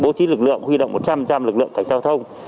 bố trí lực lượng huy động một trăm linh lực lượng cảnh giao thông